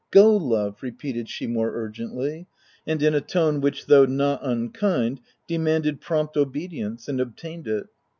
" Go, love !" re peated she more urgently, and in a tone, which, though not unkind, demanded prompt obedience, and obtained it.